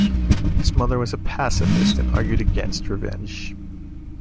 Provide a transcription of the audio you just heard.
His mother was a pacifist and argued against revenge.